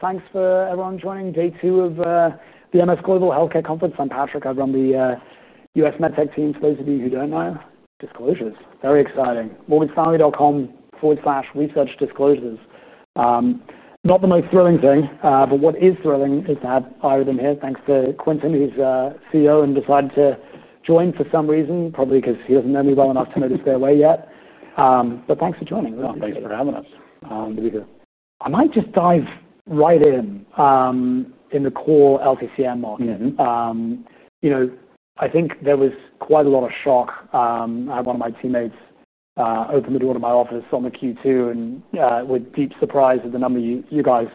Thanks for everyone joining day two of the MS Global Healthcare Conference. I'm Patrick. I run the US MedTech team. For those of you who don't know, disclosures, very exciting. MorganStanley.com/research disclosures. Not the most thrilling thing, but what is thrilling is that I'm here, thanks to Quentin, who's CEO, and decided to join for some reason, probably because he doesn't know me well enough to know this very well yet. Thanks for joining. Thanks for having us. I might just dive right in, in the core LTCM model. I think there was quite a lot of shock. I had one of my teammates open the door to my office on the Q2 and with deep surprise at the number you guys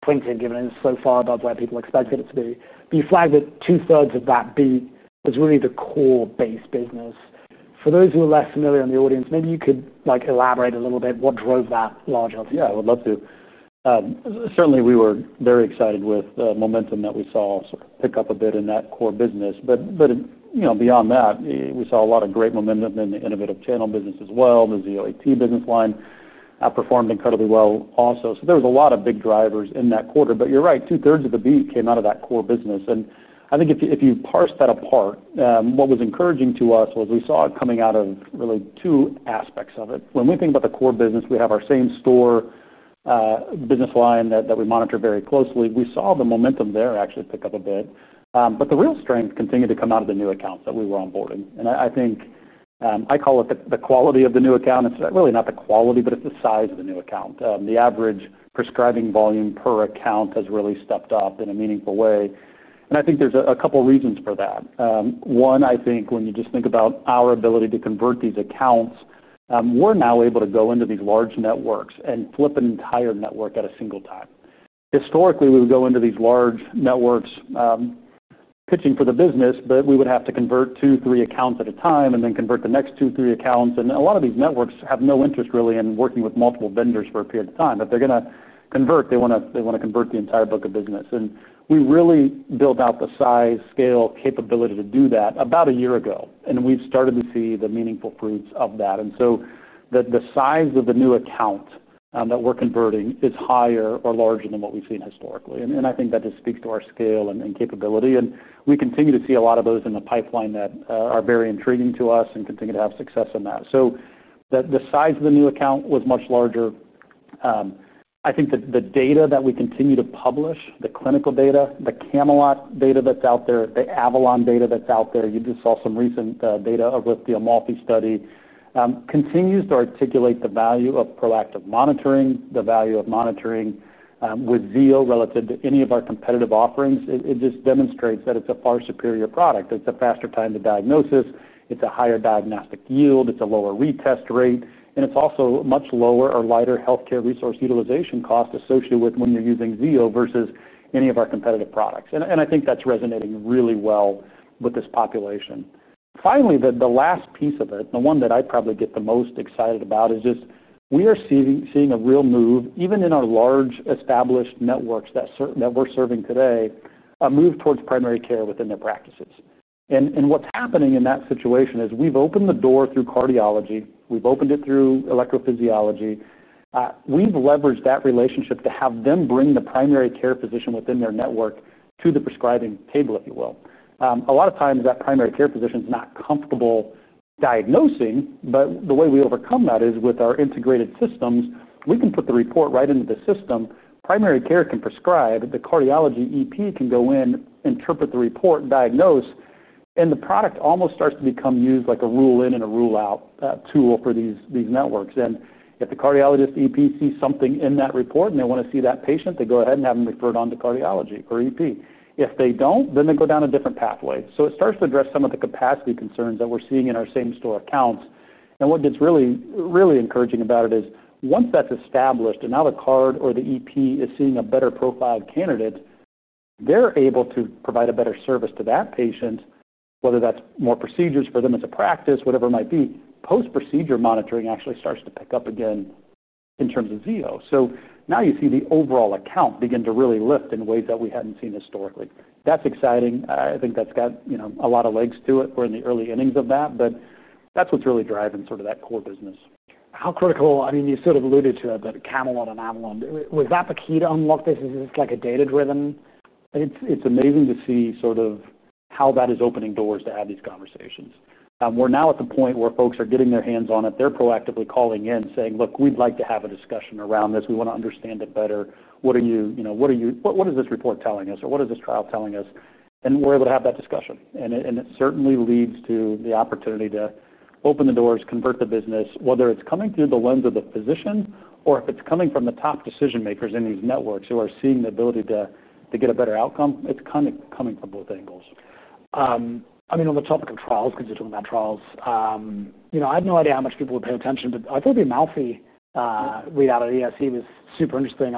printed, given it's so far above where people expected it to be. You flagged that two thirds of that beat was really the core base business. For those who are less familiar in the audience, maybe you could elaborate a little bit what drove that large LTCM? Yeah, I would love to. Certainly, we were very excited with the momentum that we saw sort of pick up a bit in that core business. You know, beyond that, we saw a lot of great momentum in the innovative channel business as well. The Zio AT business line performed incredibly well also. There was a lot of big drivers in that quarter. You're right, two thirds of the beat came out of that core business. I think if you parse that apart, what was encouraging to us was we saw it coming out of really two aspects of it. When we think about the core business, we have our same store business line that we monitor very closely. We saw the momentum there actually pick up a bit. The real strength continued to come out of the new accounts that we were onboarding. I think I call it the quality of the new account. It's really not the quality, but it's the size of the new account. The average prescribing volume per account has really stepped up in a meaningful way. I think there's a couple of reasons for that. One, I think when you just think about our ability to convert these accounts, we're now able to go into these large networks and flip an entire network at a single time. Historically, we would go into these large networks pitching for the business, but we would have to convert two, three accounts at a time and then convert the next two, three accounts. A lot of these networks have no interest really in working with multiple vendors for a period of time. If they're going to convert, they want to convert the entire book of business. We really built out the size, scale, capability to do that about a year ago. We've started to see the meaningful fruits of that. The size of the new account that we're converting is higher or larger than what we've seen historically. I think that just speaks to our scale and capability. We continue to see a lot of those in the pipeline that are very intriguing to us and continue to have success in that. The size of the new account was much larger. I think that the data that we continue to publish, the clinical data, the Camelot data that's out there, the Avalon data that's out there, you just saw some recent data of the Amalfi study, continues to articulate the value of proactive monitoring, the value of monitoring with Zio relative to any of our competitive offerings. It just demonstrates that it's a far superior product. It's a faster time to diagnosis. It's a higher diagnostic yield. It's a lower retest rate, and it's also a much lower or lighter healthcare resource utilization cost associated with when you're using Zio versus any of our competitive products. I think that's resonating really well with this population. Finally, the last piece of it, the one that I probably get the most excited about, is just we are seeing a real move, even in our large established networks that we're serving today, a move towards primary care within their practices. What's happening in that situation is we've opened the door through cardiology. We've opened it through electrophysiology. We've leveraged that relationship to have them bring the primary care physician within their network to the prescribing table, if you will. A lot of times, that primary care physician is not comfortable diagnosing, but the way we overcome that is with our integrated systems, we can put the report right into the system. Primary care can prescribe. The Cardiology EP can go in, interpret the report, diagnose, and the product almost starts to become used like a rule in and a rule out tool for these networks. If the Cardiologist EP sees something in that report and they want to see that patient, they go ahead and have them referred on to Cardiology or EP. If they don't, then they go down a different pathway. It starts to address some of the capacity concerns that we're seeing in our same store accounts. What gets really, really encouraging about it is once that's established and now the Card or the EP is seeing a better profile of candidates, they're able to provide a better service to that patient, whether that's more procedures for them as a practice, whatever it might be. Post-procedure monitoring actually starts to pick up again in terms of Zio. Now you see the overall account begin to really lift in ways that we hadn't seen historically. That's exciting. I think that's got a lot of legs to it. We're in the early innings of that, but that's what's really driving sort of that core business. How critical, I mean, you sort of alluded to that Camelot and Avalon. Was that the key to unlock this? Is it like a data-driven? It's amazing to see how that is opening doors to have these conversations. We're now at the point where folks are getting their hands on it. They're proactively calling in saying, "Look, we'd like to have a discussion around this. We want to understand it better. What are you, what is this report telling us? Or what is this trial telling us?" We're able to have that discussion. It certainly leads to the opportunity to open the doors, convert the business, whether it's coming through the lens of the physician or if it's coming from the top decision makers in these networks who are seeing the ability to get a better outcome. It's coming from both angles. On the topic of trials, because you're talking about trials, I have no idea how much people would pay attention, but I gave you Amalfi read out of the ESC. It was super interesting.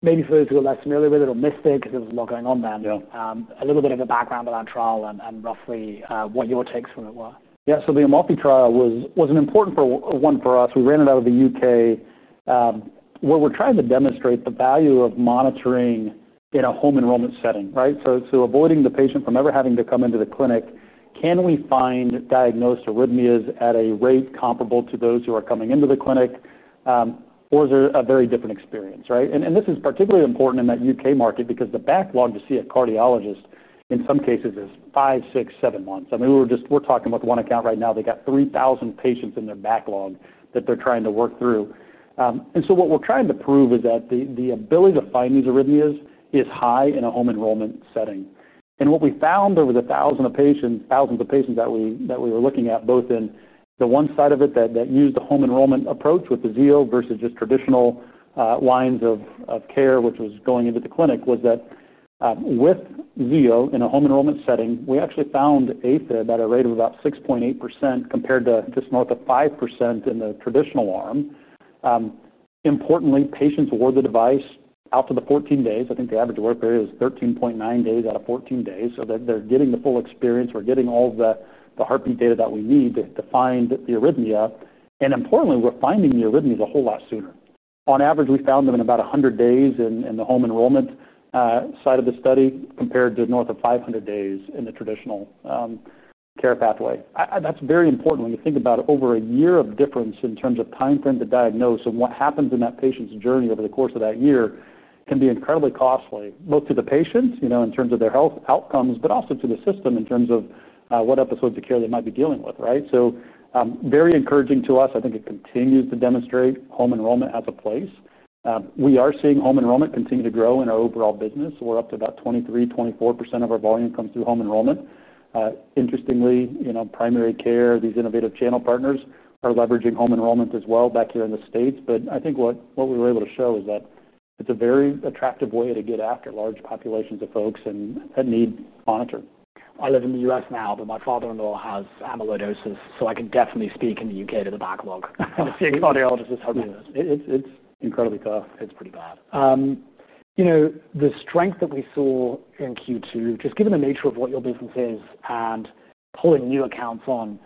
Maybe for those who are less familiar with it or missed it because there was a lot going on there, a little bit of a background on that trial and roughly what your takes from it were. Yeah, so the Amalfi study was an important one for us. We ran it out of the UK where we're trying to demonstrate the value of monitoring in a home enrollment setting, right? Avoiding the patient from ever having to come into the clinic. Can we find diagnosed arrhythmias at a rate comparable to those who are coming into the clinic? Is it a very different experience, right? This is particularly important in that UK market because the backlog to see a cardiologist in some cases is five, six, seven months. We're just talking about one account right now. They got 3,000 patients in their backlog that they're trying to work through. What we're trying to prove is that the ability to find these arrhythmias is high in a home enrollment setting. What we found over the thousands of patients that we were looking at, both in the one side of it that used the home enrollment approach with the Zio versus just traditional lines of care, which was going into the clinic, was that with Zio in a home enrollment setting, we actually found AFib at a rate of about 6.8% compared to just north of 5% in the traditional arm. Importantly, patients wore the device out to the 14 days. I think the average wear period is 13.9 days out of 14 days. They're getting the full experience. We're getting all of the heartbeat data that we need to find the arrhythmia. Importantly, we're finding the arrhythmias a whole lot sooner. On average, we found them in about 100 days in the home enrollment side of the study compared to north of 500 days in the traditional care pathway. That's very important when you think about over a year of difference in terms of time frame to diagnose. What happens in that patient's journey over the course of that year can be incredibly costly, both to the patient in terms of their health outcomes, but also to the system in terms of what episodes of care they might be dealing with, right? Very encouraging to us. I think it continues to demonstrate home enrollment as a place. We are seeing home enrollment continue to grow in our overall business. We're up to about 23, 24% of our volume come through home enrollment. Interestingly, primary care, these innovative channel partners are leveraging home enrollment as well back here in the States. I think what we were able to show is that it's a very attractive way to get after large populations of folks that need monitoring. I live in the U.S. now, but my father-in-law has amyloidosis, so I can definitely speak in the UK to the backlog. I'm seeing audiologists tell me this. It's incredibly tough. It's pretty bad. You know, the strength that we saw in Q2, just given the nature of what your business is and pulling new accounts on,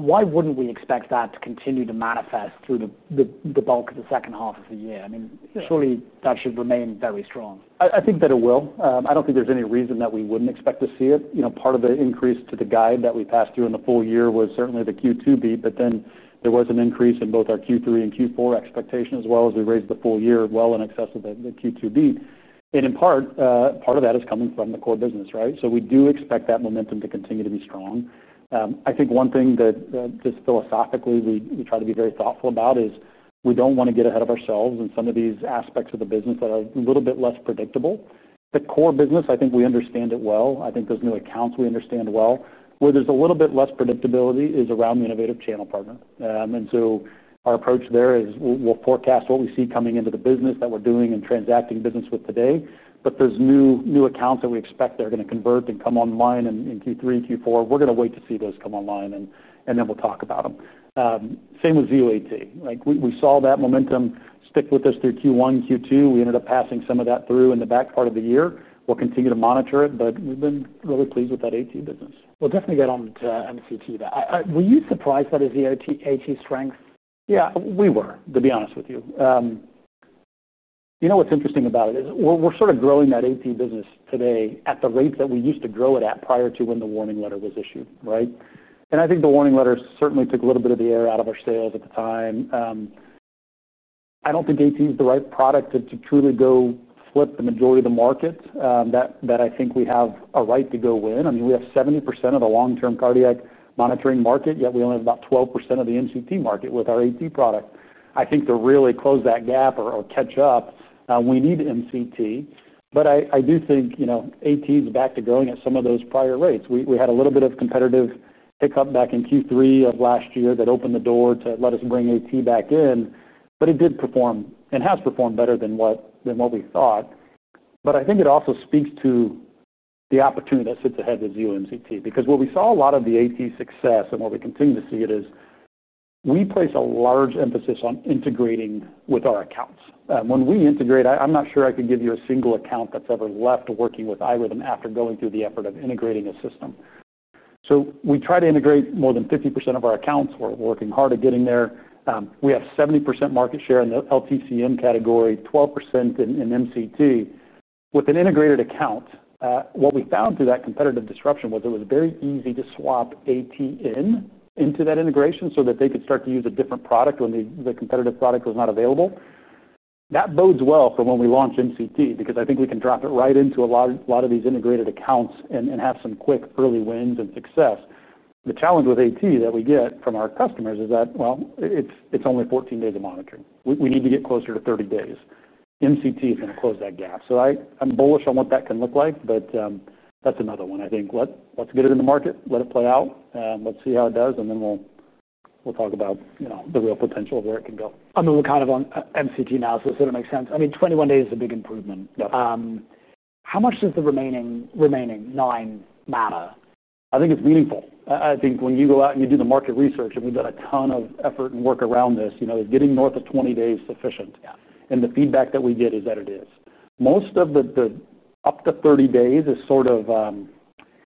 why wouldn't we expect that to continue to manifest through the bulk of the second half of the year? I mean, surely that should remain very strong. I think that it will. I don't think there's any reason that we wouldn't expect to see it. Part of the increase to the guide that we passed through in the full year was certainly the Q2 beat, but then there was an increase in both our Q3 and Q4 expectation as well as we raised the full year well in excess of the Q2 beat. In part, part of that is coming from the core business, right? We do expect that momentum to continue to be strong. I think one thing that just philosophically we try to be very thoughtful about is we don't want to get ahead of ourselves in some of these aspects of the business that are a little bit less predictable. The core business, I think we understand it well. I think those new accounts we understand well. Where there's a little bit less predictability is around the innovative channel partner. Our approach there is we'll forecast what we see coming into the business that we're doing and transacting business with today. Those new accounts that we expect they're going to convert and come online in Q3 and Q4, we're going to wait to see those come online and then we'll talk about them. Same with Zio AT. We saw that momentum stick with us through Q1, Q2. We ended up passing some of that through in the back part of the year. We'll continue to monitor it, but we've been really pleased with that AT business. We'll definitely get on to NCT. Were you surprised by the Zio AT strength? Yeah, we were, to be honest with you. You know, what's interesting about it is we're sort of growing that AT business today at the rate that we used to grow it at prior to when the warning letter was issued, right? I think the warning letters certainly took a little bit of the air out of our sails at the time. I don't think AT is the right product to truly go flip the majority of the market that I think we have a right to go with. I mean, we have 70% of the long-term cardiac monitoring market, yet we only have about 12% of the NCT market with our AT product. I think to really close that gap or catch up, we need NCT. I do think AT is back to growing at some of those prior rates. We had a little bit of competitive pickup back in Q3 of last year that opened the door to let us bring AT back in, but it did perform and has performed better than what we thought. I think it also speaks to the opportunity that sits ahead of the Zio NCT because what we saw a lot of the AT success and what we continue to see is we place a large emphasis on integrating with our accounts. When we integrate, I'm not sure I could give you a single account that's ever left working with iRhythm after going through the effort of integrating a system. We try to integrate more than 50% of our accounts. We're working hard at getting there. We have 70% market share in the LTCM category, 12% in NCT. With an integrated account, what we found through that competitive disruption was it was very easy to swap AT into that integration so that they could start to use a different product when the competitive product was not available. That bodes well for when we launch NCT because I think we can drop it right into a lot of these integrated accounts and have some quick early wins and success. The challenge with AT that we get from our customers is that it's only 14 days of monitoring. We need to get closer to 30 days. NCT is going to close that gap. I'm bullish on what that can look like, but that's another one. I think let's get it in the market, let it play out, let's see how it does, and then we'll talk about the real potential of where it can go. We're kind of on NCT now, so it sort of makes sense. I mean, 21 days is a big improvement. How much does the remaining nine matter? I think it's meaningful. I think when you go out and you do the market research, and we've done a ton of effort and work around this, getting north of 20 days is sufficient. The feedback that we get is that it is. Most of the up to 30 days is sort of,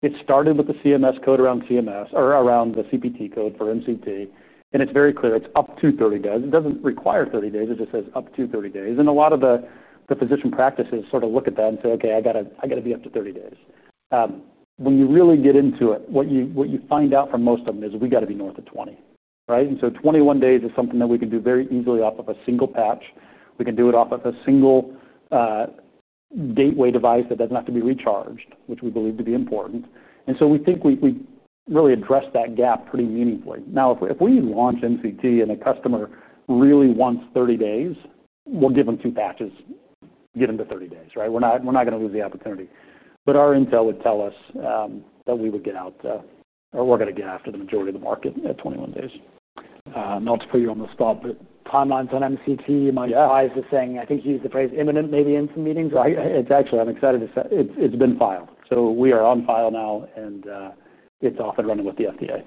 it started with the CMS code around CMS or around the CPT code for NCT. It's very clear it's up to 30 days. It doesn't require 30 days. It just says up to 30 days. A lot of the physician practices sort of look at that and say, "Okay, I got to be up to 30 days." When you really get into it, what you find out from most of them is we got to be north of 20, right? 21 days is something that we can do very easily off of a single patch. We can do it off of a single gateway device that doesn't have to be recharged, which we believe to be important. We think we really address that gap pretty meaningfully. If we launch NCT and a customer really wants 30 days, we'll give them two patches, get them to 30 days, right? We're not going to lose the opportunity. Our intel would tell us that we would get out, or we're going to get after the majority of the market at 21 days. Not to put you on the spot, but timelines on NCT, my eyes are saying, I think you used the phrase imminent, maybe in some meetings. I'm excited to say it's been filed. We are on file now, and it's off and running with the FDA.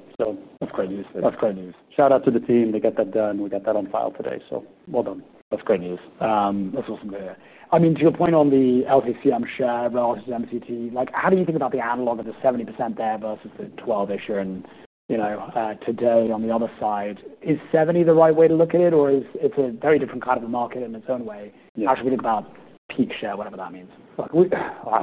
That's great news. That's great news. Shout out to the team that got that done. We got that on file today, so well done. That's great news. That's awesome to hear. I mean, to your point on the LTCM share versus NCT, how do you think about the analog of the 70% there versus the 12%? To date on the other side, is 70% the right way to look at it, or is it a very different kind of a market in its own way? How should we think about peak share, whatever that means?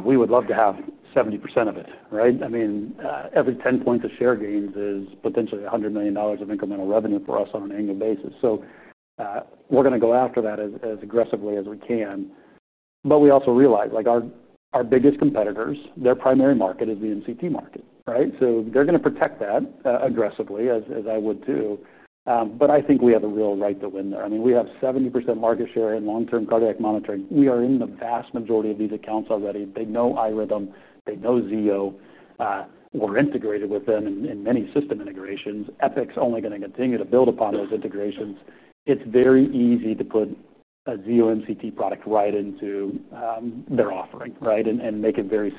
We would love to have 70% of it, right? I mean, every 10% of share gains is potentially $100 million of incremental revenue for us on an annual basis. We are going to go after that as aggressively as we can. We also realize our biggest competitors, their primary market is the NCT market, right? They are going to protect that aggressively, as I would too. I think we have a real right to win there. We have 70% market share in long-term cardiac monitoring. We are in the vast majority of these accounts already. They know iRhythm. They know Zio. We are integrated with them in many system integrations. Epic Systems is only going to continue to build upon those integrations. It is very easy to put a Zio NCT product right into their offering and make it very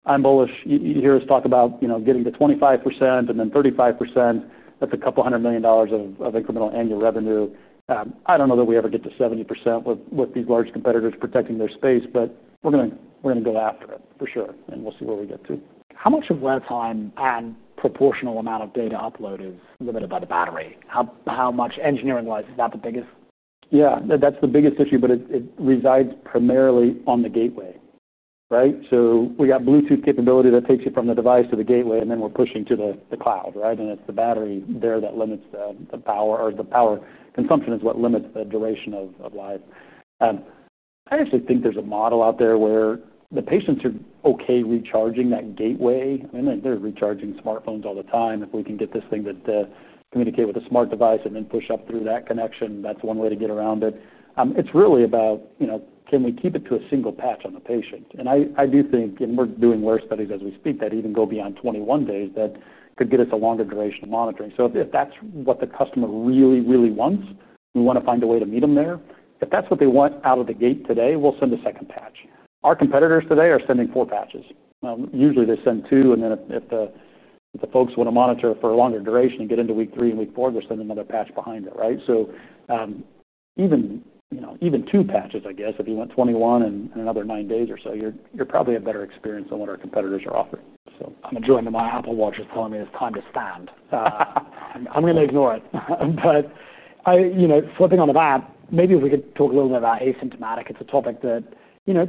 seamless to use. I am bullish. You hear us talk about getting to 25% and then 35%. That is a couple hundred million dollars of incremental annual revenue. I do not know that we ever get to 70% with these large competitors protecting their space, but we are going to go after it for sure. We will see where we get to. How much of their time and proportional amount of data upload is limited by the battery? How much engineering-wise is that the biggest? Yeah, that's the biggest issue, but it resides primarily on the gateway, right? We have Bluetooth capability that takes you from the device to the gateway, and then we're pushing to the cloud, right? It's the battery there that limits the power, or the power consumption is what limits the duration of life. I actually think there's a model out there where the patients are okay recharging that gateway. They're recharging smartphones all the time. If we can get this thing to communicate with a smart device and then push up through that connection, that's one way to get around it. It's really about, you know, can we keep it to a single patch on the patient? I do think, and we're doing more studies as we speak that even go beyond 21 days that could get us a longer duration of monitoring. If that's what the customer really, really wants, we want to find a way to meet them there. If that's what they want out of the gate today, we'll send a second patch. Our competitors today are sending four patches. Usually, they send two, and if the folks want to monitor for a longer duration and get into week three and week four, they'll send another patch behind it, right? Even two patches, I guess, if you want 21 and another nine days or so, you're probably a better experience than what our competitors are offering. I'm enjoying that my Apple Watch is telling me it's time to stand. I'm going to ignore it. If we could talk a little bit about asymptomatic, it's a topic that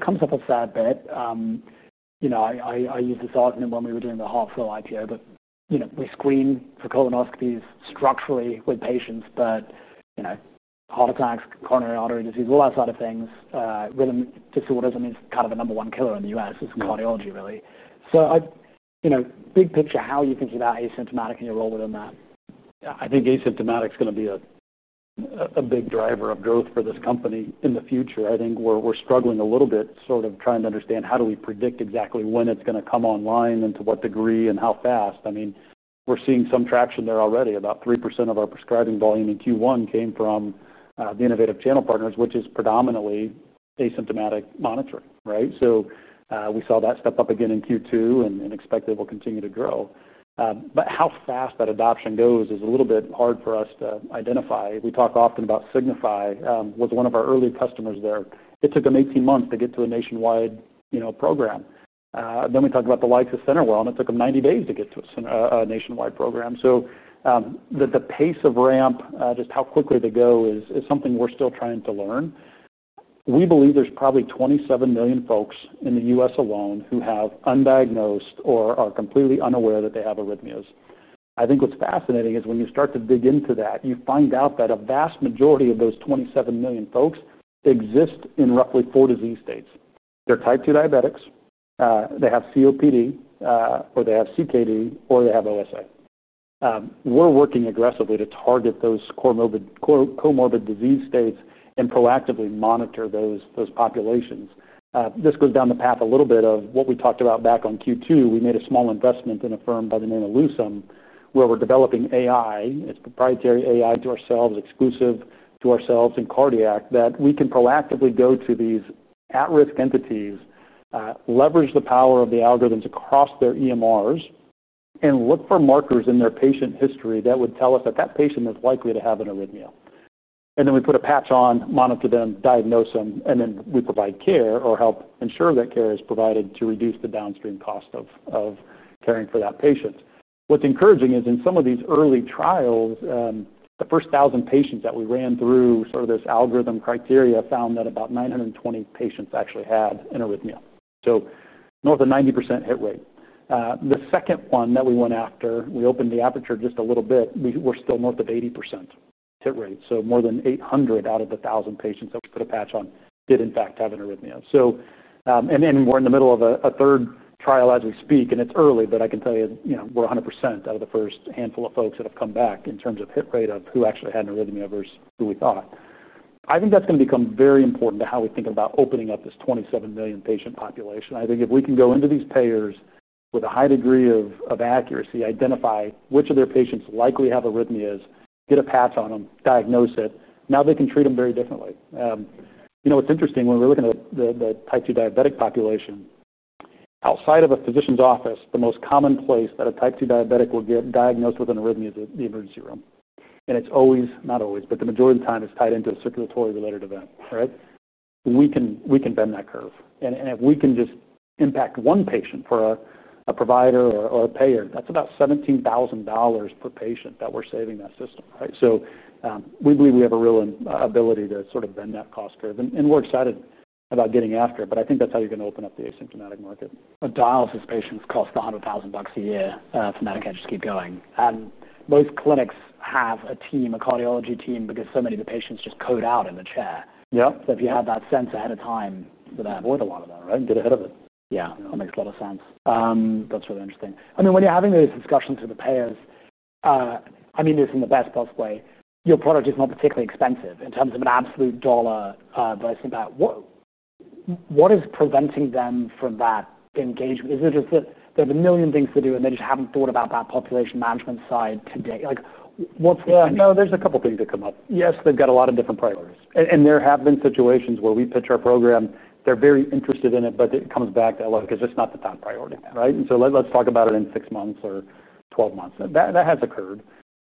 comes up a fair bit. I used this argument when we were doing the Heartflow IPO, but we screen for colonoscopies structurally with patients, but heart attacks, coronary artery disease, all that side of things, rhythm disorders, it's kind of the number one killer in the U.S. It's cardiology, really. Big picture, how do you think about asymptomatic and your role within that? I think asymptomatic is going to be a big driver of growth for this company in the future. I think we're struggling a little bit sort of trying to understand how do we predict exactly when it's going to come online and to what degree and how fast. We're seeing some traction there already. About 3% of our prescribing volume in Q1 came from the innovative channel partners, which is predominantly asymptomatic monitoring, right? We saw that step up again in Q2 and expect it will continue to grow. How fast that adoption goes is a little bit hard for us to identify. We talk often about Signify, was one of our early customers there. It took them 18 months to get to a nationwide, you know, program. We talk about the likes of CenterWell, and it took them 90 days to get to a nationwide program. The pace of ramp, just how quickly they go is something we're still trying to learn. We believe there's probably 27 million folks in the U.S. alone who have undiagnosed or are completely unaware that they have arrhythmias. I think what's fascinating is when you start to dig into that, you find out that a vast majority of those 27 million folks exist in roughly four disease states. They're type 2 diabetics. They have COPD, or they have CKD, or they have OSA. We're working aggressively to target those comorbid disease states and proactively monitor those populations. This goes down the path a little bit of what we talked about back on Q2. We made a small investment in a firm by the name of Lusome where we're developing AI. It's proprietary AI to ourselves, exclusive to ourselves in cardiac that we can proactively go to these at-risk entities, leverage the power of the algorithms across their EMRs, and look for markers in their patient history that would tell us that that patient is likely to have an arrhythmia. We put a patch on, monitor them, diagnose them, and then we provide care or help ensure that care is provided to reduce the downstream cost of caring for that patient. What's encouraging is in some of these early trials, the first 1,000 patients that we ran through sort of this algorithm criteria found that about 920 patients actually had an arrhythmia. North of 90% hit rate. The second one that we went after, we opened the aperture just a little bit. We're still north of 80% hit rate. More than 800 out of the 1,000 patients that we put a patch on did in fact have an arrhythmia. We're in the middle of a third trial as we speak, and it's early, but I can tell you, we're 100% out of the first handful of folks that have come back in terms of hit rate of who actually had an arrhythmia versus who we thought. I think that's going to become very important to how we think about opening up this 27 million patient population. If we can go into these payers with a high degree of accuracy, identify which of their patients likely have arrhythmias, get a patch on them, diagnose it, now they can treat them very differently. It's interesting when we're looking at the type 2 diabetic population, outside of a physician's office, the most common place that a type 2 diabetic will get diagnosed with an arrhythmia is the emergency room. The majority of the time it's tied into a circulatory related event, right? We can bend that curve. If we can just impact one patient for a provider or a payer, that's about $17,000 per patient that we're saving that system, right? We believe we have a real ability to sort of bend that cost curve. We're excited about getting after it. I think that's how you're going to open up the asymptomatic market. A dialysis patient has cost $100,000 a year. Now they can just keep going. Most clinics have a team, a cardiology team, because so many of the patients just code out in the chair. Yep. If you have that sense ahead of time, then I avoid a lot of that, right? Get ahead of it. Yeah, that makes a lot of sense. That's really interesting. I mean, when you're having those discussions with the payers, I mean, there's from the best possible way, your product is not particularly expensive in terms of an absolute dollar pricing pack. What is preventing them from that engagement? Is it just that there's a million things to do and they just haven't thought about that population management side to date? Like, what's the... Yeah, no, there's a couple of things that come up. Yes, they've got a lot of different priorities. There have been situations where we pitch our program, they're very interested in it, but it comes back to, oh, look, it's just not the top priority, right? Let's talk about it in six months or 12 months. That has occurred.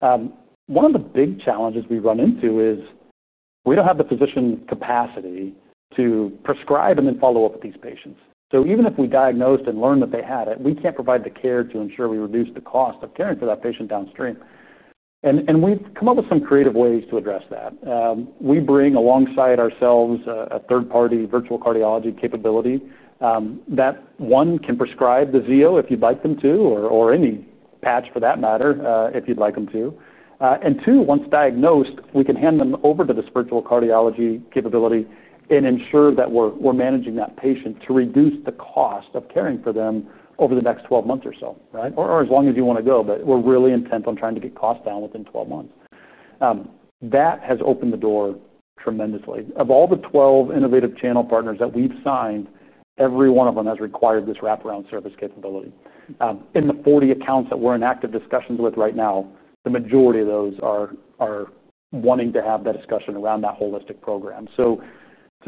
One of the big challenges we run into is we don't have the physician capacity to prescribe and then follow up with these patients. Even if we diagnosed and learned that they had it, we can't provide the care to ensure we reduce the cost of caring for that patient downstream. We've come up with some creative ways to address that. We bring alongside ourselves a third-party virtual cardiology capability that, one, can prescribe the Zio if you'd like them to, or any patch for that matter if you'd like them to. Two, once diagnosed, we can hand them over to this virtual cardiology capability and ensure that we're managing that patient to reduce the cost of caring for them over the next 12 months or so, right? Or as long as you want to go, but we're really intent on trying to get costs down within 12 months. That has opened the door tremendously. Of all the 12 innovative channel partners that we've signed, every one of them has required this wraparound service capability. In the 40 accounts that we're in active discussions with right now, the majority of those are wanting to have that discussion around that holistic program. To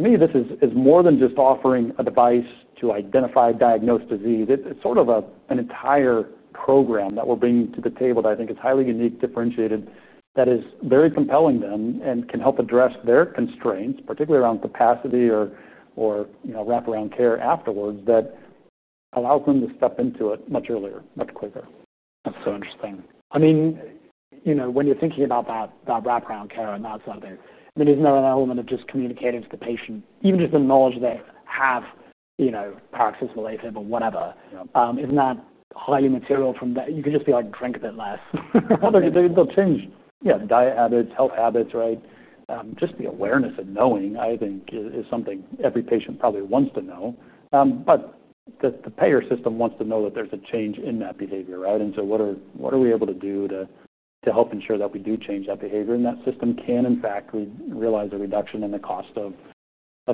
me, this is more than just offering a device to identify diagnosed disease. It's sort of an entire program that we're bringing to the table that I think is highly unique, differentiated, that is very compelling to them and can help address their constraints, particularly around capacity or wraparound care afterwards that allows them to step into it much earlier, much quicker. That's so interesting. I mean, when you're thinking about that wraparound virtual cardiology services care on that side of it, isn't there an element of just communicating to the patient, even just the knowledge they have, you know, paroxysmal AFib or whatever, isn't that highly material from that? You can just be like, drink a bit less. They'll change, you know, diet habits, health habits, right? Just the awareness and knowing, I think, is something every patient probably wants to know. The payer system wants to know that there's a change in that behavior, right? What are we able to do to help ensure that we do change that behavior and that system can in fact realize a reduction in the cost of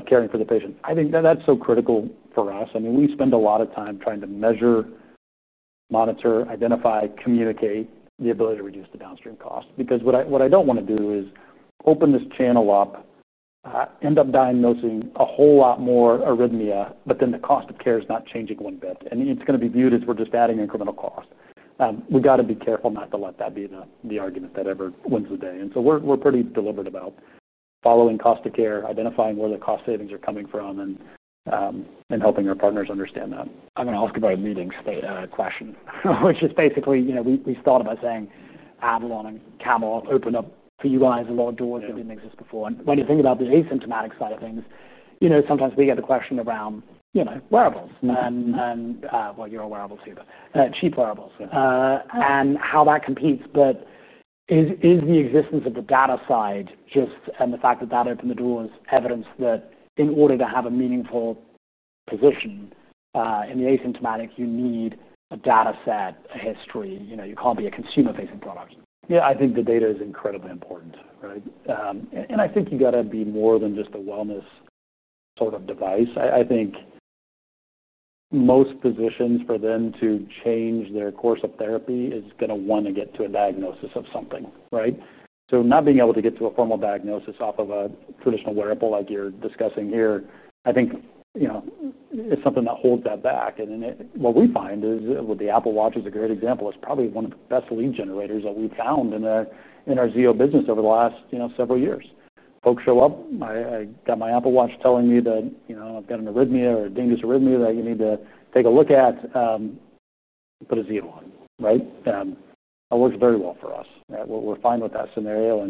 caring for the patient? I think that's so critical for us. We spend a lot of time trying to measure, monitor, identify, communicate the ability to reduce the downstream cost. What I don't want to do is open this channel up, end up diagnosing a whole lot more arrhythmia, but then the cost of care is not changing one bit. It's going to be viewed as we're just adding incremental cost. We got to be careful not to let that be the argument that ever wins the day. We're pretty deliberate about following cost of care, identifying where the cost savings are coming from, and helping our partners understand that. I'm going to ask you about a leading question, which is basically, you know, we started by saying Avalon and Camelot opened up for you guys a lot of doors that didn't exist before. When you think about the asymptomatic side of things, sometimes we get the question around wearables and, well, you're a wearable too, but cheap wearables and how that competes. Is the existence of the data side just, and the fact that that opened the doors, evidence that in order to have a meaningful position in the asymptomatic, you need a data set, a history? You know, you can't be a consumer-facing product. Yeah, I think the data is incredibly important. I think you have to be more than just a wellness sort of device. I think most physicians, for them to change their course of therapy, are going to want to get to a diagnosis of something, right? Not being able to get to a formal diagnosis off of a traditional wearable like you're discussing here, I think, is something that holds that back. What we find is, with the Apple Watch as a great example, it's probably one of the best lead generators that we found in our Zio business over the last several years. Folks show up, I got my Apple Watch telling me that I've got an arrhythmia or a dangerous arrhythmia that you need to take a look at, put a Zio on, right? That works very well for us. We're fine with that scenario.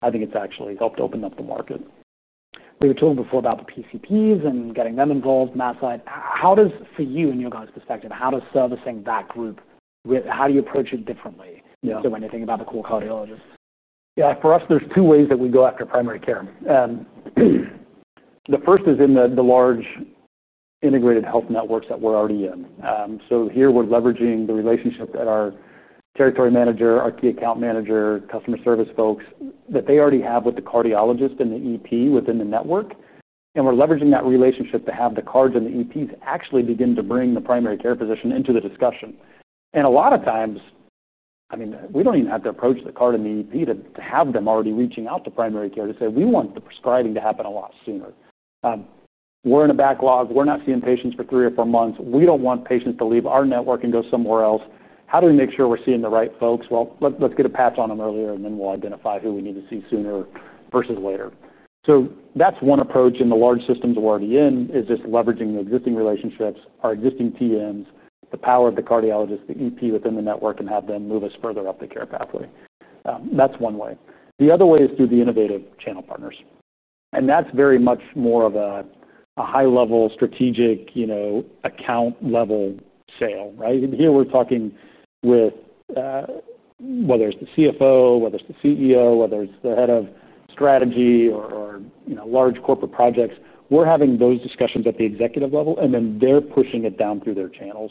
I think it's actually helped open up the market. We were talking before about the primary care physicians and getting them involved in that side. How does, for you and your guys' perspective, how does servicing that group, how do you approach it differently when you think about the core cardiologists? Yeah, for us, there's two ways that we go after primary care. The first is in the large integrated health networks that we're already in. Here, we're leveraging the relationship that our Territory Manager, our Key Account Manager, customer service folks, that they already have with the cardiologist and the EP within the network. We're leveraging that relationship to have the cards and the EPs actually begin to bring the primary care physician into the discussion. A lot of times, we don't even have to approach the card and the EP to have them already reaching out to primary care to say, we want the prescribing to happen a lot sooner. We're in a backlog. We're not seeing patients for three or four months. We don't want patients to leave our network and go somewhere else. How do we make sure we're seeing the right folks? Let's get a patch on them earlier, and then we'll identify who we need to see sooner versus later. That's one approach in the large systems we're already in, just leveraging the existing relationships, our existing TMs, the power of the cardiologist, the EP within the network, and have them move us further up the care pathway. That's one way. The other way is through the innovative channel partners. That's very much more of a high-level strategic, account-level sale, right? Here, we're talking with whether it's the CFO, whether it's the CEO, whether it's the Head of Strategy or large corporate projects. We're having those discussions at the executive level, and then they're pushing it down through their channels.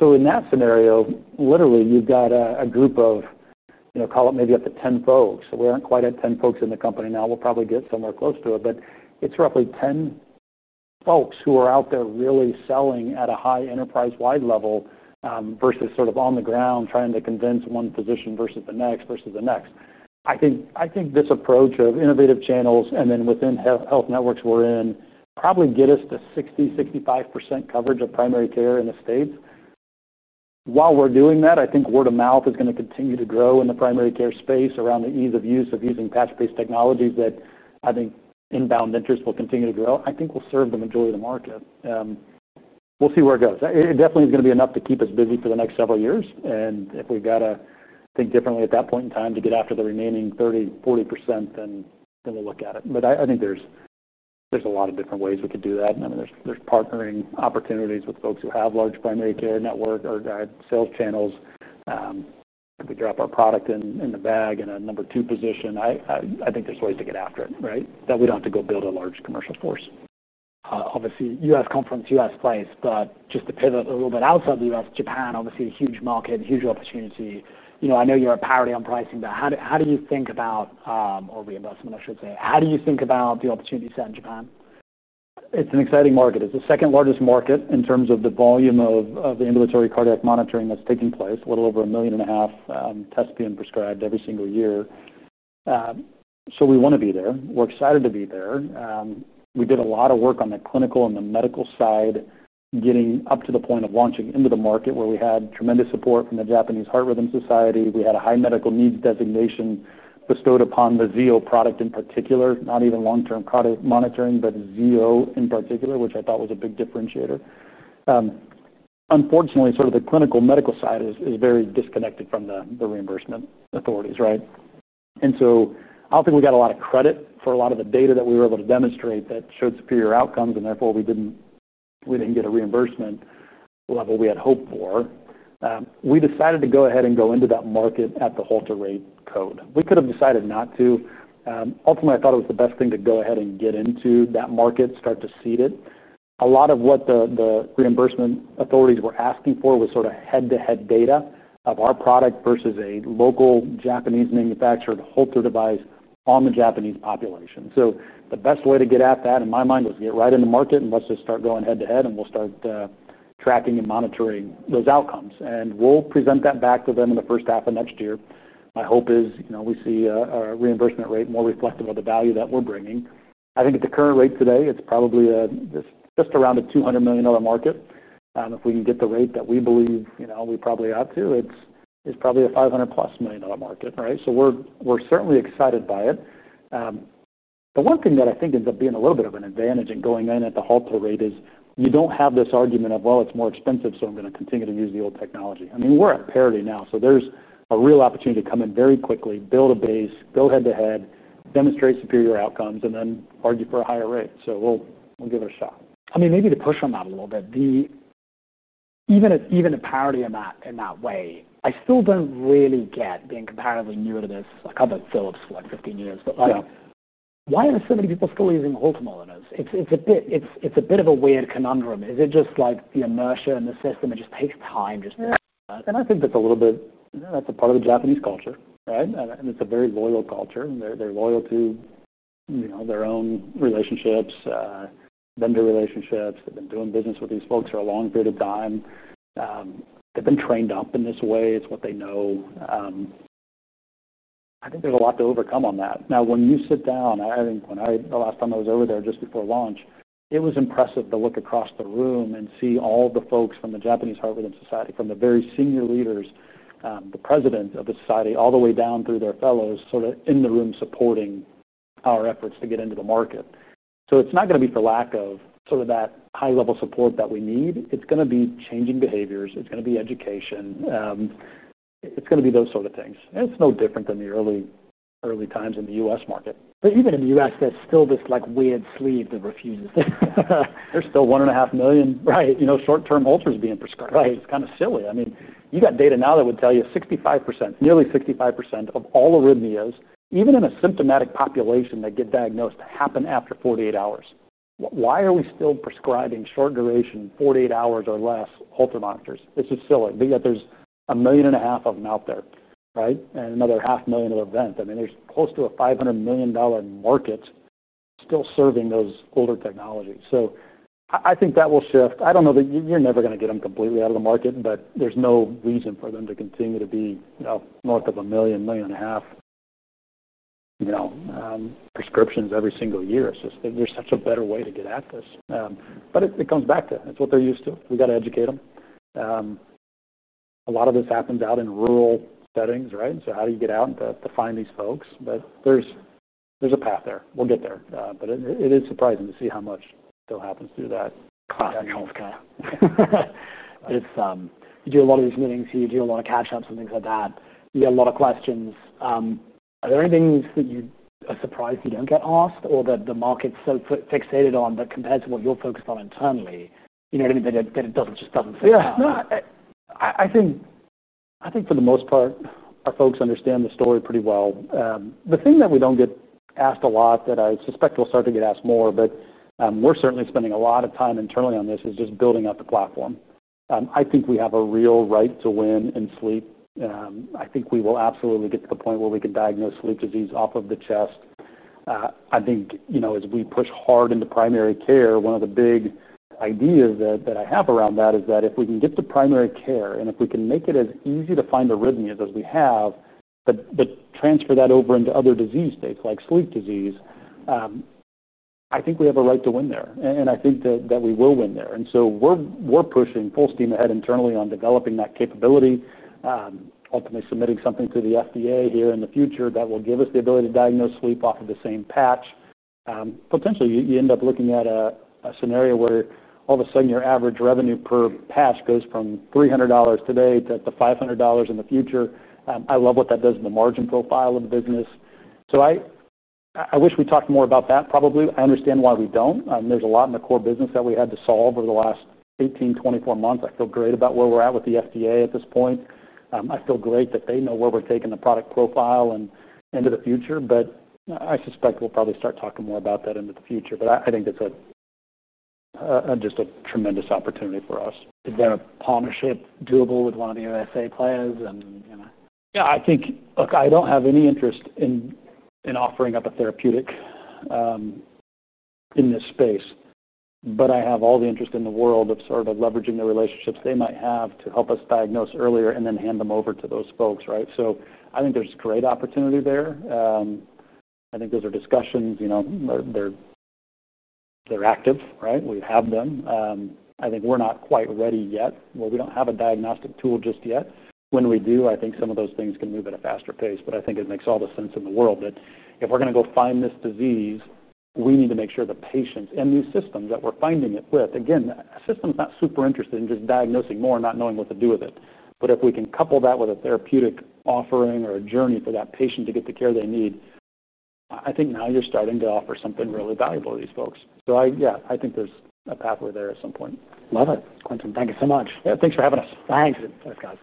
In that scenario, literally, you've got a group of, call it maybe up to 10 folks. We aren't quite at 10 folks in the company now. We'll probably get somewhere close to it. It's roughly 10 folks who are out there really selling at a high enterprise-wide level versus sort of on the ground trying to convince one physician versus the next versus the next. I think this approach of innovative channels and then within health networks we're in probably get us to 60, 65% coverage of primary care in the States. While we're doing that, I think word of mouth is going to continue to grow in the primary care space around the ease of use of using patch-based technologies that I think inbound interest will continue to grow. I think we'll serve the majority of the market. We'll see where it goes. It definitely is going to be enough to keep us busy for the next several years. If we've got to think differently at that point in time to get after the remaining 30% to 40%, we'll look at it. I think there's a lot of different ways we could do that. There are partnering opportunities with folks who have large primary care network or sales channels. If we drop our product in the bag in a number two position, I think there are ways to get after it, right? We don't have to go build a large commercial force. Obviously, U.S. conference, U.S. place, but just to pivot a little bit outside the U.S., Japan, obviously a huge market, huge opportunity. I know you're a parody on pricing, but how do you think about, or the investment, I should say, how do you think about the opportunity set in Japan? It's an exciting market. It's the second largest market in terms of the volume of ambulatory cardiac monitoring that's taking place. A little over $1.5 million tests being prescribed every single year. We want to be there. We're excited to be there. We did a lot of work on the clinical and the medical side, getting up to the point of launching into the market where we had tremendous support from the Japanese Heart Rhythm Society. We had a high medical needs designation bestowed upon the Zio product in particular, not even long-term monitoring, but Zio in particular, which I thought was a big differentiator. Unfortunately, the clinical medical side is very disconnected from the reimbursement authorities, right? I don't think we got a lot of credit for a lot of the data that we were able to demonstrate that showed superior outcomes, and therefore we didn't get a reimbursement level we had hoped for. We decided to go ahead and go into that market at the Holter rate code. We could have decided not to. Ultimately, I thought it was the best thing to go ahead and get into that market, start to seed it. A lot of what the reimbursement authorities were asking for was head-to-head data of our product versus a local Japanese manufactured Holter device on the Japanese population. The best way to get at that in my mind was to get right in the market and let's just start going head-to-head, and we'll start tracking and monitoring those outcomes. We'll present that back to them in the first half of next year. My hope is, you know, we see a reimbursement rate more reflective of the value that we're bringing. I think at the current rate today, it's probably just around a $200 million market. If we can get the rate that we believe, you know, we probably ought to, it's probably a $500+ million market, right? We're certainly excited by it. The one thing that I think ends up being a little bit of an advantage in going in at the Holter rate is you don't have this argument of, well, it's more expensive, so I'm going to continue to use the old technology. I mean, we're at parity now. There's a real opportunity to come in very quickly, build a base, build head-to-head, demonstrate superior outcomes, and then argue for a higher rate. We'll give it a shot. Maybe to push on that a little bit, even at parity in that way, I still don't really get, being comparatively newer to this, I called it Philips for like 15 years, but like, why are so many people still using Holter monitors? It's a bit of a weird conundrum. Is it just like the inertia in the system? It just takes time. I think that's a little bit, that's a part of the Japanese culture, right? It's a very loyal culture. They're loyal to their own relationships, vendor relationships. They've been doing business with these folks for a long period of time. They've been trained up in this way. It's what they know. I think there's a lot to overcome on that. When you sit down, the last time I was over there just before launch, it was impressive to look across the room and see all the folks from the Japanese Heart Rhythm Society, from the very senior leaders, the President of the society, all the way down through their fellows, in the room supporting our efforts to get into the market. It's not going to be for lack of that high-level support that we need. It's going to be changing behaviors. It's going to be education. It's going to be those sort of things. It's no different than the early times in the U.S. market. Even in the U.S., there's still this like weird sleeve that refuses this. There's still 1.5 million, right? You know, short-term Holters being prescribed. Right. It's kind of silly. I mean, you got data now that would tell you 65%, nearly 65% of all arrhythmias, even in a symptomatic population that get diagnosed, happen after 48 hours. Why are we still prescribing short duration, 48 hours or less Holter monitors? It's just silly. Yet there's 1.5 million of them out there, right? And another 0.5 million of events. I mean, there's close to a $500 million market still serving those older technologies. I think that will shift. I don't know that you're never going to get them completely out of the market, but there's no reason for them to continue to be north of a million, 1.5 million prescriptions every single year. It's just there's such a better way to get at this. It comes back to it's what they're used to. We got to educate them. A lot of this happens out in rural settings, right? How do you get out to find these folks? There's a path there. We'll get there. It is surprising to see how much still happens through that. You do a lot of these meetings. You do a lot of catch-ups and things like that. You get a lot of questions. Are there any things that you are surprised you don't get asked or that the market's so fixated on that compared to what you're focused on internally, you know what I mean? That it just doesn't fit. Yeah. No, I think for the most part, our folks understand the story pretty well. The thing that we don't get asked a lot that I suspect we'll start to get asked more, but we're certainly spending a lot of time internally on this, is just building out the platform. I think we have a real right to win in sleep. I think we will absolutely get to the point where we can diagnose sleep disease off of the chest. As we push hard into primary care, one of the big ideas that I have around that is that if we can get to primary care and if we can make it as easy to find arrhythmias as we have, but transfer that over into other disease states like sleep disease, I think we have a right to win there. I think that we will win there. We're pushing full steam ahead internally on developing that capability, ultimately submitting something to the FDA here in the future that will give us the ability to diagnose sleep off of the same patch. Potentially, you end up looking at a scenario where all of a sudden your average revenue per patch goes from $300 today to $500 in the future. I love what that does in the margin profile of the business. I wish we talked more about that probably. I understand why we don't. There's a lot in the core business that we had to solve over the last 18 to 24 months. I feel great about where we're at with the FDA at this point. I feel great that they know where we're taking the product profile and into the future. I suspect we'll probably start talking more about that into the future. I think it's just a tremendous opportunity for us. Is there a partnership doable with one of the U.S. players? Yeah, I think, look, I don't have any interest in offering up a therapeutic in this space. I have all the interest in the world of sort of leveraging the relationships they might have to help us diagnose earlier and then hand them over to those folks, right? I think there's great opportunity there. I think those are discussions, you know, they're active, right? We have them. I think we're not quite ready yet. We don't have a diagnostic tool just yet. When we do, I think some of those things can move at a faster pace. I think it makes all the sense in the world that if we're going to go find this disease, we need to make sure the patients and these systems that we're finding it with, again, a system that's not super interested in just diagnosing more and not knowing what to do with it. If we can couple that with a therapeutic offering or a journey for that patient to get the care they need, I think now you're starting to offer something really valuable to these folks. I think there's a pathway there at some point. Love it. Quentin, thank you so much. Yeah, thanks for having us. Thanks, guys.